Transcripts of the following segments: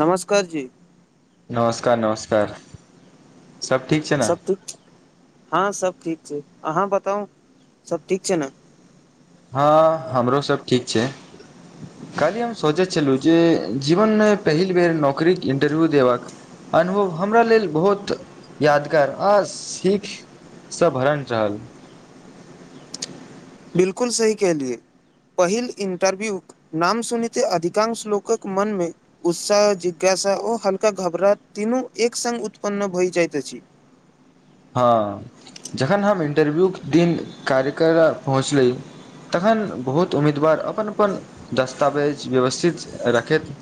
नमस्कार जी नमस्कार नमस्कार सब ठीक छै ने सब ठीक हँ सब ठीक छै अहाँ बताउ सब ठीक छै ने हँ हमरो सब ठीक छै काल्हि हम सोचैत छलु जे जीवनमे पहिल बेर नौकरी के इंटरव्यू देबाक अनुभव हमरा लेल बहुत यादगार आ सिख स भरण रहल बिल्कुल सही कहलिए पहिल इन्टरव्यू नाम सुनिते अधिकांश लोकक मनमे उत्साह जिज्ञासा ओ हल्का घबराहट तीनू एक संग उत्पन्न भय जाइत अछि हँ जखन हम इन्टरव्यूक दिन कार्य कर पहुँचली तखन बहुत उम्मीदवार अपन अपन दस्तावेज व्यवस्थित रखैत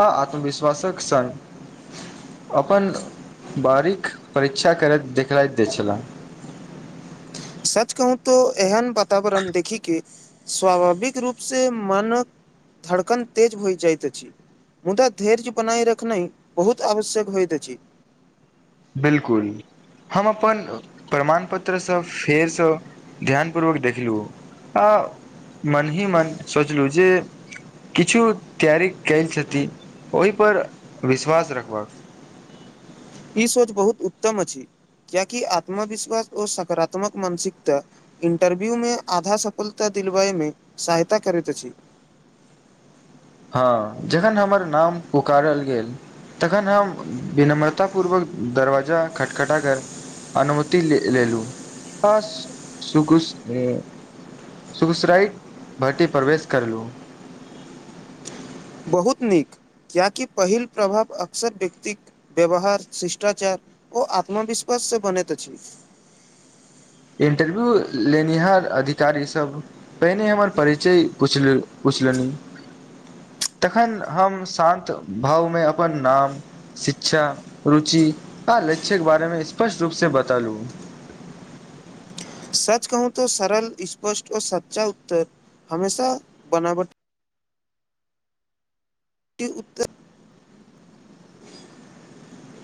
हँ आत्मविश्वासक संग अपन बारीक परीक्षा करैत देखाइ दैत छलाह सच कहू तो एहन वातावरण देखि के स्वाभाविक रूप से मनक धड़कन तेज होइ जाइत अछि मुदा धैर्य बनाय रखनाइ बहुत आवश्यक होइत अछि बिल्कुल हम अपन प्रमाण पत्रसब फेरसँ ध्यान पूर्वक देखलु आ मन ही मन सोचलू जे किछु तैयारी कैल छति ओहि पर विश्वास रखबाक ई सोच बहुत उत्तम अछि कियेकि आत्मविश्वास ओ सकारात्मक मानसिकता इंटरव्यूमे आधा सफलता दिलबायमे सहायता करैत अछि हँ जखन हमर नाम पुकारल गेल तखन हम विनम्रता पूर्वक दरवाजा खटखटा कर अनुमति लेलू बस सुकुस ए सुगसुराइत भट्टी प्रवेश करलू बहुत नीक किएकि पहिल प्रभाव अक्सर व्यक्तिक व्यवहार शिष्टाचार ओ आत्मविश्वास से बनैत अछि इंटरव्यू लेनीहार अधिकारी सब पहिने हमर परिचय पुछलनि तखन हम शान्त भावमे अपन नाम शिक्षा रुचि आ लक्ष्य के बारेमे स्पष्ट रूप से बतालू सच कहू तो सरल स्पष्ट ओ सच्चा उत्तर हमेशा बनाबट ई उत्तर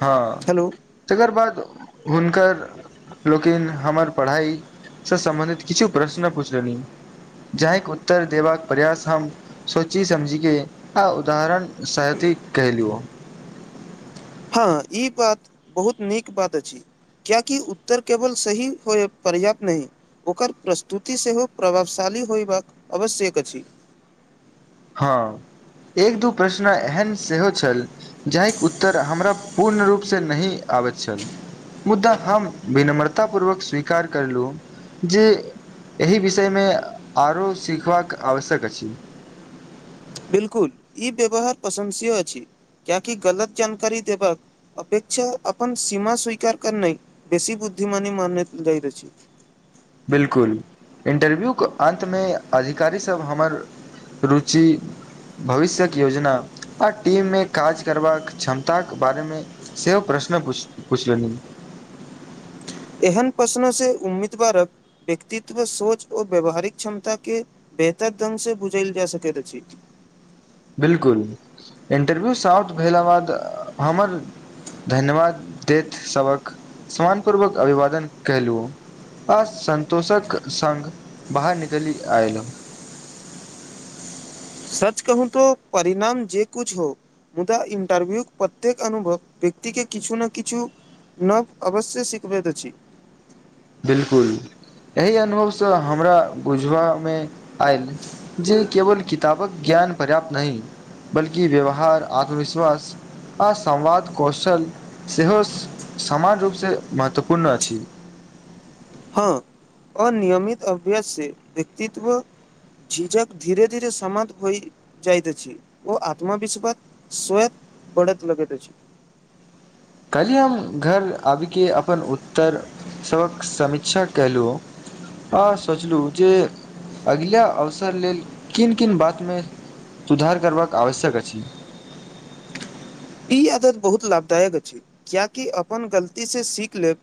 हँ हेलो तेकर बाद हुनकर लोकिन हमर पढ़ाइ सँ सम्बन्धित किछु प्रश्न पूछ लेलिन जाहिके उत्तर देबाक प्रयास हम सोची समझी के आ उदाहरण सहति कैलुओ हँ ई बात बहुत नीक बात अछि कियेकि उत्तर केवल सही होय पर्याप्त नहि ओकर प्रस्तुति सेहो प्रभावशाली होयबाक आवश्यक अछि हँ एक दू प्रश्न एहन सेहो छल जाहिक उत्तर हमरा पूर्ण रूपसँ नहि आबैत छल मुद्दा हम विनम्रता पूर्वक स्वीकार करलु जे एहि विषय मे आरो सीखबाक आवश्यक अछि बिल्कुल ई व्यवहार प्रशंसीय अछि कियेकि गलत जानकारी देबाक अपेक्षा अपन सीमा स्वीकार करनाइ बेसी बुद्धिमानी मानल जाइत अछि बिल्कुल इंटरव्यूके अन्तमे अधिकारी सभ हमर रुचि भविष्यक योजना आ टीम मे काज करबाक क्षमताक बारे मे सेहो प्रश्न पूछलनि एहन प्रश्नो से उम्मीदवारक व्यक्तित्व सोच आ व्यवहारिक क्षमता के बेहतर ढंग से बुझैल जा सकैत अछि बिल्कुल इंटरव्यू साउथ भेला बाद हमर धन्यवाद देैत सबक सम्मान पूर्वक अभिवादन कैलु आ सन्तोषक संग बाहर निकलि आयल सच कहू तो परिणाम जे कुछ हो मुदा इन्टरभ्यूक प्रत्येक अनुभव व्यक्ति के किछु ने किछु नव अवश्य सिखबैत अछि बिल्कुल एहि अनुभव सँ हमरा बुझबामे आयल जे केवल किताबक ज्ञान पर्याप्त नहि बल्कि व्यवहार आत्मविश्वास आ संवाद कौशल सेहो समान रूपसँ महत्वपूर्ण अछि हँऽ अ नियमित अभ्यास से व्यक्तित्व झिझक धीरे - धीरे समाप्त होइ जाइत अछि ओ आत्मविश्वत स्वयत बढ़त लगैत अछि कल्हि हम घर आबि के अपन उत्तर सभक समीक्षा कैलुओ हॅं सोचलू जे अगिला अवसर लेल किन- किन बात मे सुधार करबाक आवश्यक अछि ई आदत बहुत लाभदायक अछि कियाकि अपन गलती से सीख लेब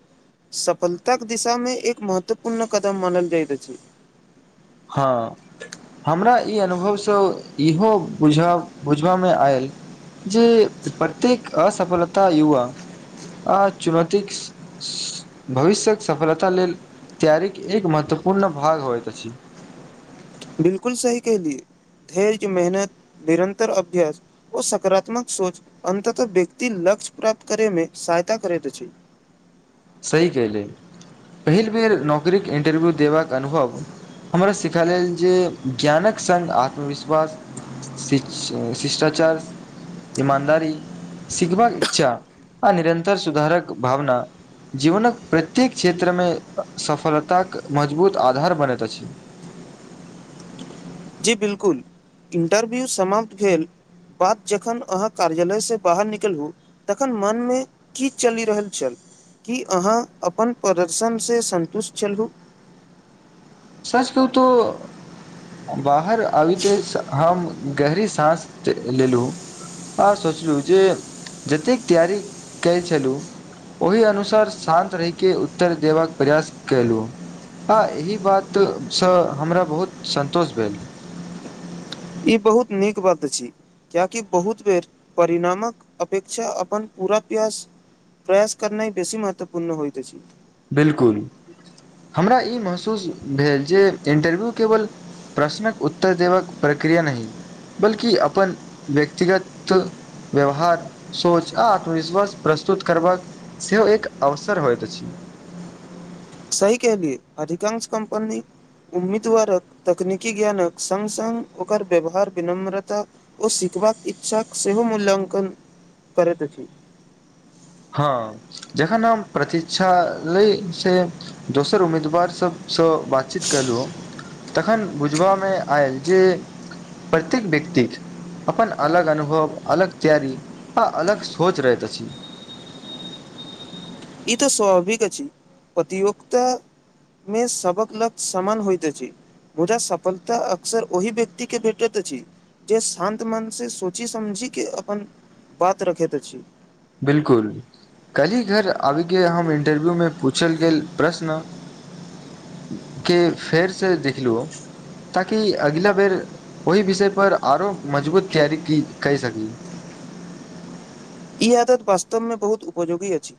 सफलताक दिशामे एक महत्वपूर्ण कदम मानल जाइत अछि हँ हमरा ई अनुभवसँ इहो बुझब बुझबामे आयल जे प्रत्येक असफलता युवा आ चुनौतीक भविष्यक सफलता लेल तैयारिक एक महत्वपूर्ण भाग होइत अछि। बिलकुल सही कहलिय धैर्य मेहनत निरन्तर अभ्यास ओ सकारात्मक सोच अन्ततः व्यक्ति लक्ष्य प्राप्त करे मे सहायता करैत अछि। सही केहलिये पहिल बेर नौकरीे कऽ इंटरव्यू देबाक अनुभव हमरा सिकाल गेल जे ज्ञानक संग आत्मविश्वास शिच शिष्टाचार ईमानदारी सिगबाक इच्छा आ निरन्तर सुधारक भावना। जीवनक प्रत्येक क्षेत्रमे सफलताक मजबूत आधार बनैत अछि। जी बिल्कुल इन्टरव्यू समाप्त भेल। बात जखन अहाँ कार्यालय से बाहर निकल तखन मनमे की चलि रहल छल की अहाँ अपन प्रदर्शन सँ सन्तुष्ट छलहू। सच कहू तो बाहर आबीते हम गहरी साँस लेलहुँ आओर सोचलू जे जतेक तैयारी के छलू ओहि अनुसार शान्त रहिके उत्तर देबाक प्रयास केलू हॅं एहि बातसँ हमरा बहुत संन्तोष भेटल ई बहुत नीक बात छी कियाकि बहुत बेर परिणामक अपेक्षा अपन पूरा प्रयास प्रयास करना बेसी महत्वपूर्ण होइत अछि। बिल्कुल हमरा ई महसूस भेल जे इंटरव्यू केवल प्रश्नक उत्तर देबाक प्रक्रिया नहि बल्कि अपन व्यक्तिगत व्यवहार सोच आ आत्मविश्वास प्रस्तुत करबाक सेहो एक अवसर होइत अछि सही कलियए अधिकांश कम्पनी। उम्मीदवारक तकनीकी ज्ञानक संग- संग ओकर व्यवहार विनम्रता ओ सिखबाक इच्छाक सेहो मूल्याकन करैत अछि हँ जखन हम प्रतीक्षा लै से दोसर उम्मीदवार सभसँ बातचीत करलू तखन बुझबामे आयल जे प्रत्येक व्यक्ति अपन अलग अनुभव अलग तैयारी आ अलग सोच रहैत अछि। ई तऽ स्वाभाविक अछि प्रतियुक्त सबक लक समान होइत अछि मुदा सफलता अक्सर ओहि व्यक्ति के भेटैत अछि जे शान्त मन से सोचि समझी के अपन बात रखैत अछि। बिलकुल कल्हि घर आबीके हम इंटरव्यू मे पूछल गेल प्रश्न कऽ फेर से देखलो ताकि अगिला बेर ओहि विषय पर आरो मजबूत तैयारी कैए सकी ई आदत वास्तव मे बहुत उपयोगी अछि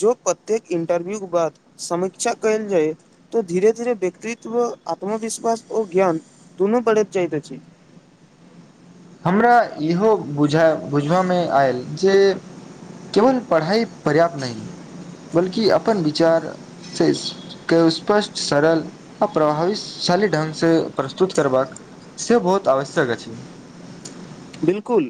जो प्रत्येक इंटरव्यू के बाद समीक्षा कयल जायत तऽ धीरे धीरे व्यक्तित्व आत्मविश्वास ओर ज्ञान दुनू बढ़ेत जायत अछि हमरा इहो बुझाय बुझयमे आयल जे केवल पढ़ाई पर्याप्त नहि बल्कि अपन विचार सहि से के स्पष्ट सरल अप्रभावशाली ढंग से प्रस्तुत करबाक से बहुत आवश्यक अछि बिल्कुल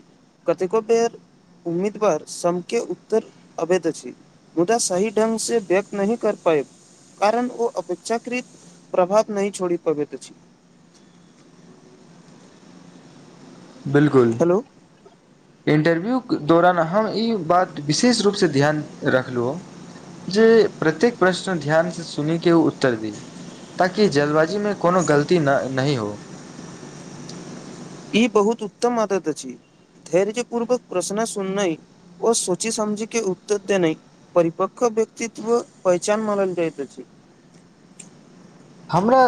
कतेको पैट उम्मीदवार संग के उत्तर अबैत अछि मुदा सही ढंग से व्यक्त नहि कर पायब कारण ओ अपेक्षाकृत प्रभाव नहि छोड़ी पाबैत अछि बिल्कुल हेलो। इंटरव्यू के दौरान हम ई बात विशेष रूप सँ ध्यान रखलु जे प्रत्येक प्रश्न ध्यान से सुनी के उत्तर दी ताकि जल्दबाजी में कोनो गलती न नहीं हो ई बहुत उत्तम आदत अछि धैर्य पूर्वक प्रश्न सुन नैइ ओ सोची समझी के उत्तर देनै परिपक्व व्यक्तित्व पहिचान मानल जाइत अछि हमरा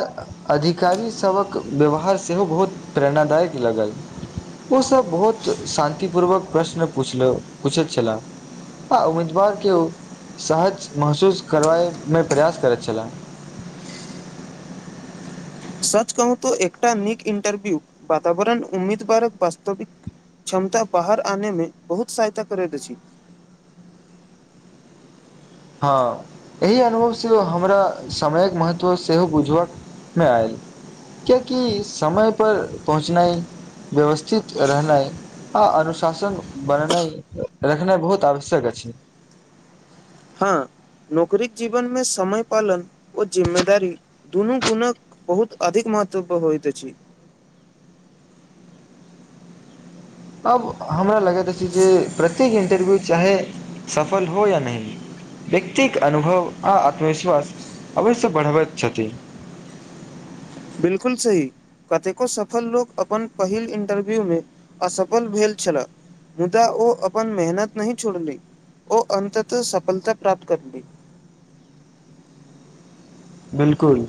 अधिकारी सभक व्यवहार सेहो बहुत प्रेरणादायक लागल ओ सभ बहुत शान्ति पूर्वक प्रश्न पुछल पूछैत छलाह आ उम्मीदवार के ओ सहज महसूस करबाए मे प्रयास करैत छला सच कहूत एकटा नीक इन्टरव्यू वातावरण उम्मीदवारक वास्तविक क्षमता बाहर आने मे बहुत सहायता करैत अछि हँ एहि अनुभव सेहो हमरा समयक महत्व सेहो बुझबक मेआइल किये की समय पर पहुँचनाय व्यवस्थित रहनाइ आ अनुशासन बनेनाय रखनाय बहुत आवश्यक अछि हँ नौकरीक जीवन मे समय पालन ओ जिम्मेदारी दुनू गुणक बहुत अधिक महत्व प होइत अछि अब हमरा लागैत अछि जे प्रत्येक इन्टरव्यू चाहे सफल हो या नय व्यक्ति क अनुभव आ आत्मविश्वास अवश्य बढ़बैत छथि बिल्कुल सही कतेको सफल लोक अपन पहिल इन्टरव्यू मे असफल भेल छला मुदा ओ अपन मेहनत नहि छोड़ली ओ अन्ततह सफलता प्राप्त करली बिल्कुल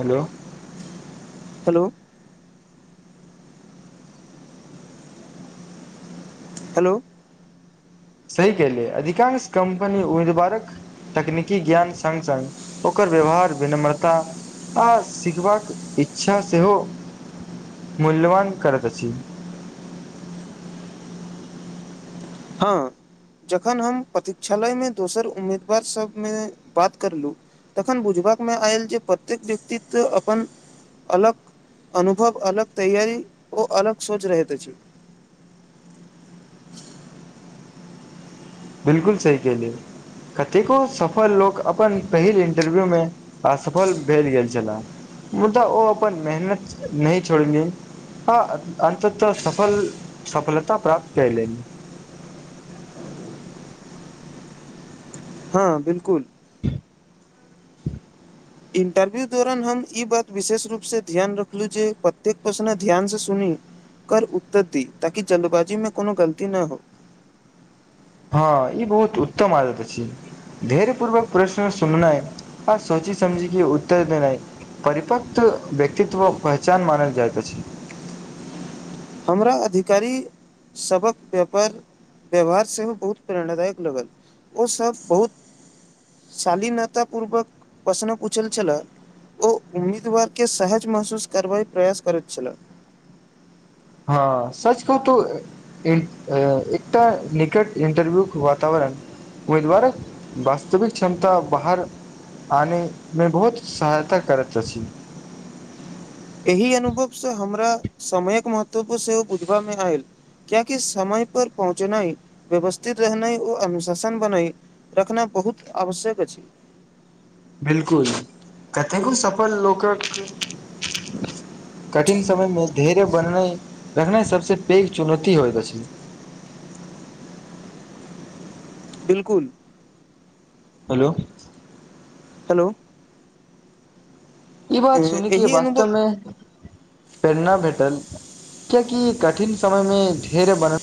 हेलो हेलो हेलो सही कहले अधिकांश कम्पनी उम्मीदवारक तकनीकी ज्ञान संग संग ओकर व्यवहार विनम्रता आ सिखबाक इच्छा सेहो मूल्यवान करैत अछि हँ जखन हम प्रतीक्षालय में दोसर उम्मीदवार सब मे बात करलु तखन बुझबा मे आयल जे प्रत्येक व्यक्तित्व अपन अलग अनुभव अलग तैयारी ओ अलग सोच रहैत अछि बिल्कुल सही कहलियै कतेको सफल लोक अपन पहिल इंटरव्यू मे असफल भेल गेल छलए मुदा ओ अपन मेहनत नहि छोड़लिन आ अन्ततः सफल सफलता प्राप्त कयलनी हँ बिल्कुल [unintelligible] इंटरव्यू दौरान हम ई बात विशेष रूप से ध्यान रखलहु जे प्रतेक प्रश्न ध्यान से सुनी कर उत्तर दी ताकि जल्दबाजी मे कोनो गलती न हो हँ ई बहुत उत्तम आदत अछि धैर्य पूर्वक प्रश्न सुननाइ आ सोची समझी के उत्तर देनाइ परिपक्व व्यक्तित्व पहचान मानल जाइत अछि हमरा अधिकारी सभक पेपर व्यवहार सेहो बहुत प्रेरणादायक लगल ओऽ सब बहुत शालीनता पूर्वक प्रशन पुछल छला ओ उम्मीदवार के सहज महसूस करबा प्रयास करैत छला हँ सच कह तोऽ [unintelligible] एकटा निकट इन्टरव्यू के वातावरण उम्मीदवार कऽ वास्तविक क्षमता बाहर आने मे बहुत सहायता करैत अछि एहि अनुभवसँ हमरा समयक महत्व सेहो बुझबामे आयल कियाकि कि समय पर पहुँचनाइ व्यवस्थित रहनाइ ओऽअनुशसन बनाई रखना बहुत आवश्यक अछि बिलकुल कतेकू सफल लोकक कठिन समय मे धैर्य बननाइ रहनाइ सबसे पैघ चुनौती होत अछि बिल्कुल हेलो हेलोऽ ई बात सुन के अनुभव वास्तवमे प्रेरणा भेटल कियकि कठिन समय में धर्य बनना